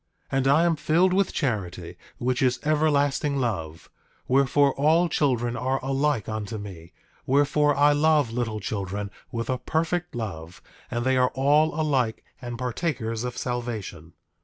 8:17 And I am filled with charity, which is everlasting love; wherefore, all children are alike unto me; wherefore, I love little children with a perfect love; and they are all alike and partakers of salvation.